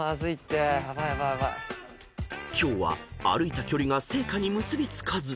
［今日は歩いた距離が成果に結び付かず］